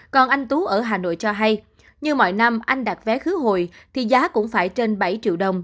còn anh tú ở hà nội cho hay như mọi năm anh đặt vé khứ hồi thì giá cũng phải trên bảy triệu đồng